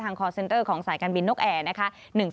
คอร์เซ็นเตอร์ของสายการบินนกแอร์นะคะ